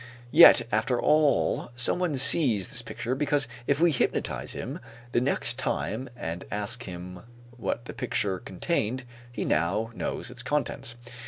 Yet after all someone sees this picture, because if we hypnotize him the next time and ask him what the picture contained, he now knows its contents.